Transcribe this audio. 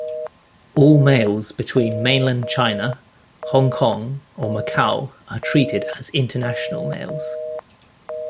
All mails between Mainland China, Hong Kong or Macau are treated as international mails.